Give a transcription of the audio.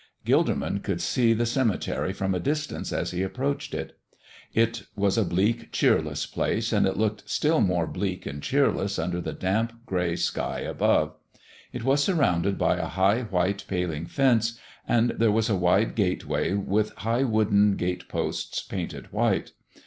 Gilderman could see the cemetery from a distance as he approached it. It was a bleak, cheerless place, and it looked still more bleak and cheerless under the damp, gray sky above. It was surrounded by a high, white paling fence, and there was a wide gateway with high wooden gate posts, painted white.